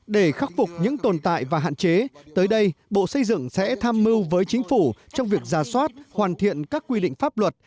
để khắc phục những tồn tại và hạn chế tới đây bộ xây dựng sẽ tham mưu với chính phủ trong việc giả soát hoàn thiện các quy định pháp luật